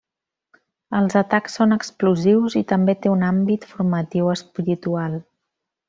Els atacs són explosius i també té un àmbit formatiu espiritual.